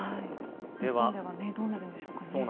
日本ではどうなるのでしょうか。